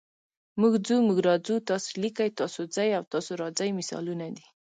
موږ ځو، موږ راځو، تاسې لیکئ، تاسو ځئ او تاسو راځئ مثالونه دي.